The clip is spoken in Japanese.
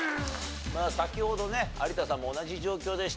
先ほどね有田さんも同じ状況でした。